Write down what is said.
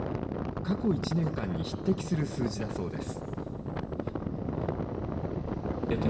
過去１年間に匹敵する数字だそうです。